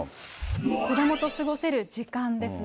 子どもと過ごせる時間ですね。